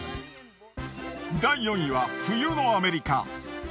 第４位は冬のアメリカ。